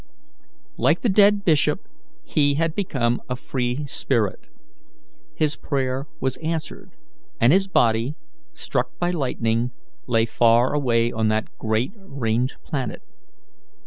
Like the dead bishop, he had become a free spirit. His prayer was answered, and his body, struck by lightning, lay far away on that great ringed planet.